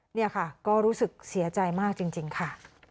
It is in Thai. นี่ค่ะก็รู้สึกเสียใจมากจริงค่ะ